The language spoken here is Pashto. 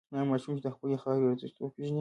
هغه ماشوم چې د خپلې خاورې ارزښت وپېژني.